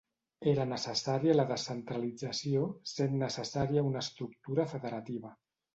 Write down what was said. Era necessària la descentralització sent necessària una estructura federativa.